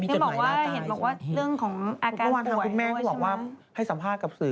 คุณแม่คือบอกว่าให้สัมภาษณ์กับสื่อ